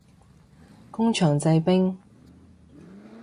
工場製冰